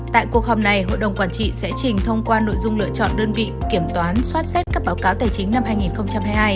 tại cuộc họp này hội đồng quản trị sẽ trình thông qua nội dung lựa chọn đơn vị kiểm toán xoát xét các báo cáo tài chính năm hai nghìn hai mươi hai